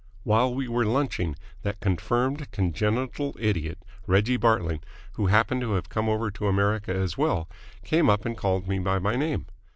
While we were lunching, that confirmed congenital idiot, Reggie Bartling, who happened to have come over to America as well, came up and called me by my name.